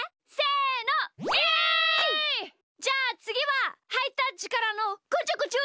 じゃあつぎはハイタッチからのこちょこちょ！